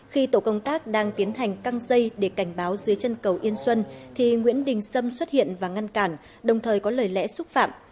khi tổ công tác đang tiến hành căng dây để cảnh báo dưới chân cầu yên xuân thì nguyễn đình sâm xuất hiện và ngăn cản đồng thời có lời lẽ xúc phạm